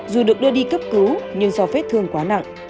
dù được đưa đi cấp cứu nhưng do vết thương quá nặng